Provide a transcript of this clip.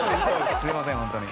すみません本当に。